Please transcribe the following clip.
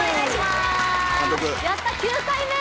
やった９回目！